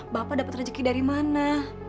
bapak dapat rezeki dari mana